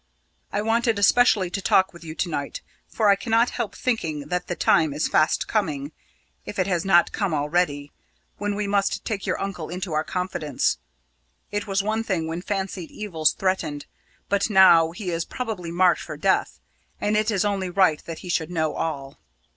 I wanted especially to talk with you to night, for I cannot help thinking that the time is fast coming if it has not come already when we must take your uncle into our confidence. It was one thing when fancied evils threatened, but now he is probably marked for death, and it is only right that he should know all."